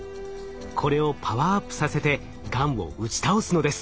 これをパワーアップさせてがんを打ち倒すのです。